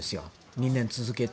２年続けて。